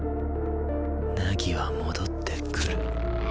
凪は戻ってくる。